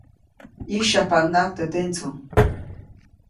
ʼYĩsyajpaʼunhnaʼajk teʼ tendsuŋ.